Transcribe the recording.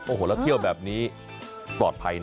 โอ้โหแล้วเที่ยวแบบนี้ปลอดภัยนะ